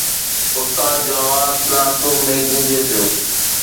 استاد جو آواز ڪلاس روم ۾ گونجي پيو